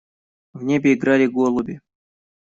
В небе играли голуби.